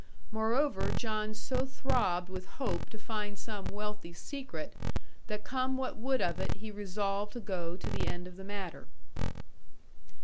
Moreover, John so throbbed with hope to find some wealthy secret, that come what would of it he resolved to go to the end of the matter.